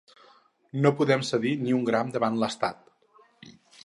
No podem cedir ni un gram davant l’estat.